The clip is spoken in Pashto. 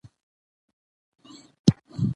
چې هغه زموږ عقل راسره نه مني